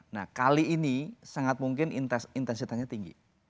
nah kali ini sangat mungkin intensitasnya tinggi